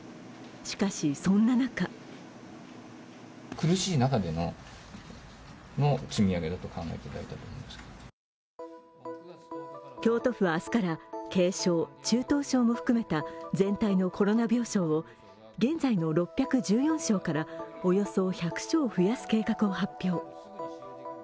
しかし、そんな中京都府、明日から軽症・中等症も含めて全体のコロナ病床を現在の６１４床からおよそ１００床増やす計画を発表。